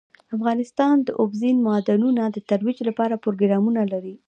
افغانستان د اوبزین معدنونه د ترویج لپاره پروګرامونه لري.